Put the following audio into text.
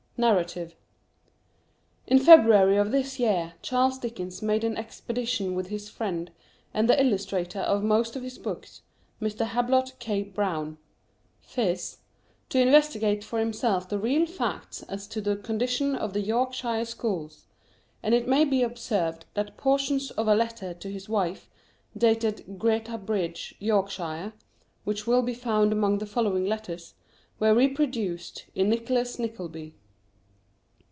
NARRATIVE. In February of this year Charles Dickens made an expedition with his friend, and the illustrator of most of his books, Mr. Hablot K. Browne ("Phiz"), to investigate for himself the real facts as to the condition of the Yorkshire schools, and it may be observed that portions of a letter to his wife, dated Greta Bridge, Yorkshire, which will be found among the following letters, were reproduced in "Nicholas Nickleby."